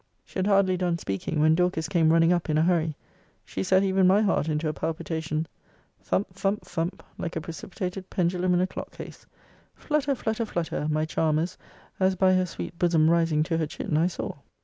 She had hardly done speaking, when Dorcas came running up in a hurry she set even my heart into a palpitation thump, thump, thump, like a precipitated pendulum in a clock case flutter, flutter, flutter, my charmer's, as by her sweet bosom rising to her chin I saw.